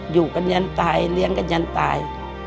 อยู่กันยันตายเลี้ยงกันยันตาย